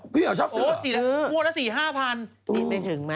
พี่เหมียวชอบซื้อหรอเออสี่มวดละสี่ห้าพันมีไปถึงมั้ย